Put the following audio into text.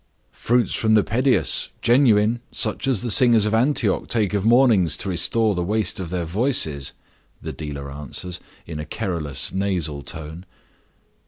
"Fruits from the Pedius—genuine—such as the singers of Antioch take of mornings to restore the waste of their voices," the dealer answers, in a querulous nasal tone.